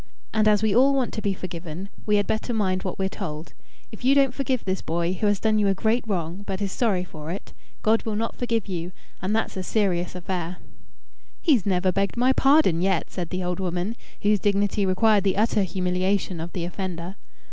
And as we all want to be forgiven, we had better mind what we're told. If you don't forgive this boy, who has done you a great wrong, but is sorry for it, God will not forgive you and that's a serious affair." "He's never begged my pardon yet," said the old woman, whose dignity required the utter humiliation of the offender.